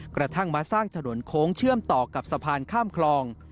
กระทั่งมาสร้างถนนโค้งเชื่อมต่อกับสะพานข้ามคลอง